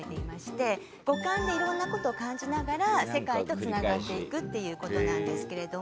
五感で色んな事を感じながら世界と繋がっていくっていう事なんですけれども。